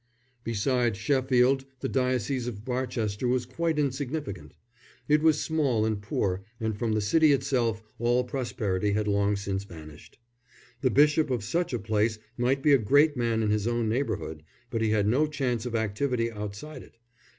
Beside Sheffield the diocese of Barchester was quite insignificant; it was small and poor, and from the city itself all prosperity had long since vanished. The bishop of such a place might be a great man in his own neighbourhood, but he had no chance of activity outside it.